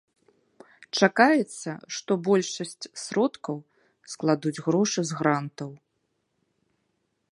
Чакаецца, што большасць сродкаў складуць грошы з грантаў.